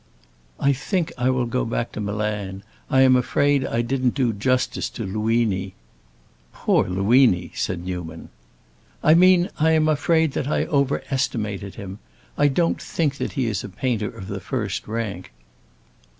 "I think I will go back to Milan. I am afraid I didn't do justice to Luini." "Poor Luini!" said Newman. "I mean that I am afraid I overestimated him. I don't think that he is a painter of the first rank."